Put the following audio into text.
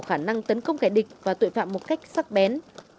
khả năng tấn công kẻ địch và tội phạm một cách sắc bén